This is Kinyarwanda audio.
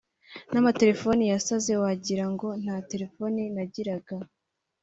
n’amatelefone yasaze wagira ngo nta telefone nagiraga